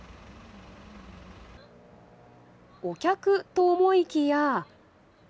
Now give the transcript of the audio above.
お客と思いきや。